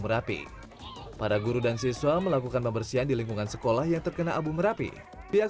merapi para guru dan siswa melakukan pembersihan di lingkungan sekolah yang terkena abu merapi pihak